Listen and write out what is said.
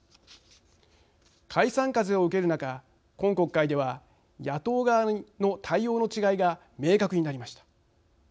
解散風を受ける中今国会では野党側の対応の違いが明確になりました。